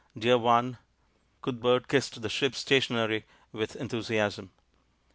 Dear one " Cuth bert kissed the ship's stationery with enthusiasm.